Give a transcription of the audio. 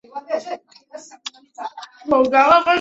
正统四年六月以州治万安县省入。